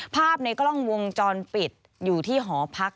ภาพในกล้องวงจรปิดอยู่ที่หอพัก